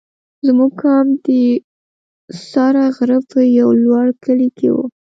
زموږ کمپ د سره غره په یو لوړ کلي کې وو.